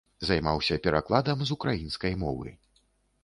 Займаўся перакладам з украінскай мовы.